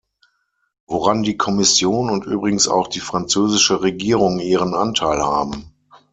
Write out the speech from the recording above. Woran die Kommission und übrigens auch die französische Regierung ihren Anteil haben.